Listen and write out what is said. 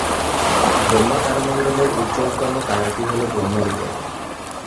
ব্রহ্মা তারামণ্ডলের উজ্জ্বলতম তারাটি হল ব্রহ্মহৃদয়।